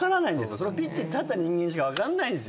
それはピッチに立った人間にしか分からないんですよ。